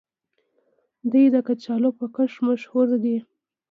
دوی د کچالو په کښت مشهور دي.